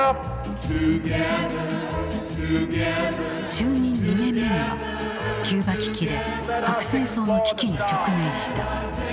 就任２年目にはキューバ危機で核戦争の危機に直面した。